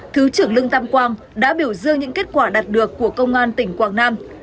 thứ trưởng lương tam quang đã biểu dương những kết quả đạt được của công an tỉnh quảng nam